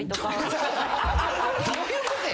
どういうことや。